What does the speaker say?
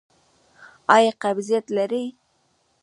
ایا قبضیت لرئ؟